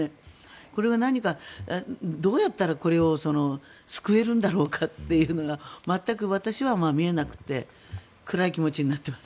これが何か、どうやったらこれを救えるんだろうかというのが全く私は見えなくて暗い気持ちになっています。